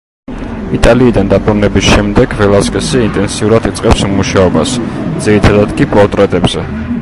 იტალიიდან დაბრუნების შემდეგ ველასკესი ინტენსიურად იწყებს მუშაობას, ძირითადად კი პორტრეტებზე.